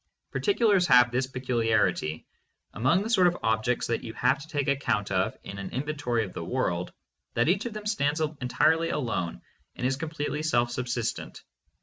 Particulars have this peculiarity, among the sort of ob jects that you have to take account of in an inventory of the world, that each of them stands entirely alone and is completely self subsistent.